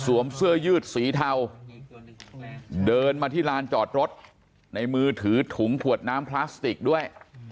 เสื้อยืดสีเทาเดินมาที่ลานจอดรถในมือถือถุงขวดน้ำพลาสติกด้วย